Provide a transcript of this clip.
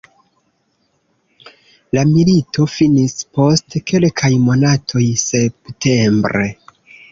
La milito finis post kelkaj monatoj septembre.